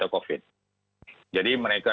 covid jadi mereka